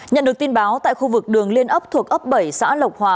nhận được tin báo tại khu vực đường liên ấp thuộc ấp bảy xã lộc hòa